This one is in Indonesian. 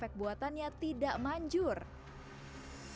eher bergantung kepada kespankan pasyuarman mereka